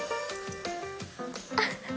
あっ！